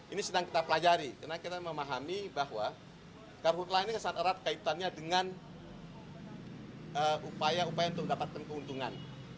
ini sedang kita pelajari karena kita memahami bahwa karhutlah ini sangat erat kaitannya dengan upaya upaya untuk mendapatkan keuntungan